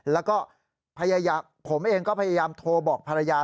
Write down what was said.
แล้วก็ผมเองก็พยายามโทรบอกภรรยา